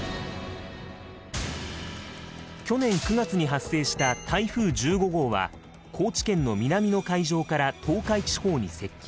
去年９月に発生した台風１５号は高知県の南の海上から東海地方に接近。